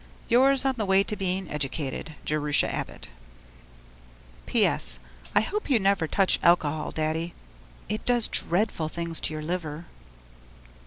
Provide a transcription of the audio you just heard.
Yours, on the way to being educated, Jerusha Abbott PS. I hope you never touch alcohol, Daddy? It does dreadful things to your liver.